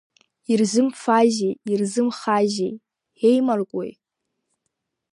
Ирзымфазеи, ирзымхазеи, еимаркуеи?